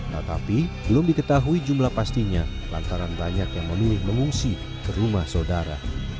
tetapi belum diketahui jumlah pastinya lantaran banyak yang memilih mengungsi ke rumah saudara